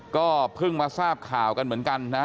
ก็เพิ่งมาทราบข่าวกันเหมือนกันนะ